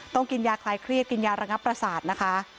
กินยาคลายเครียดกินยาระงับประสาทนะคะ